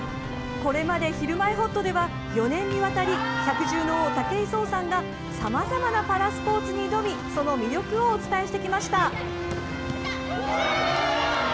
これまで「ひるまえほっと」では４年にわたり百獣の王・武井壮さんがさまざまなパラスポーツに挑みその魅力をお伝えしてきました。